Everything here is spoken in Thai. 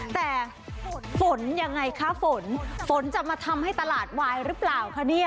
แต่ฝนยังไงคะฝนฝนจะมาทำให้ตลาดวายหรือเปล่าคะเนี่ย